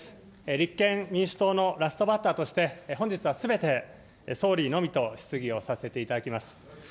立憲民主党のラストバッターとして、本日はすべて総理のみと質疑をさせていただきます。